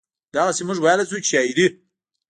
او دغسې مونږ وئيلے شو چې شاعري